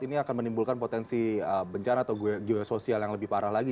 ini akan menimbulkan potensi bencana atau geososial yang lebih parah lagi